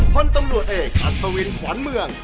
ป้นตำรวจเอกอัลทวิคย์ขวานเมือง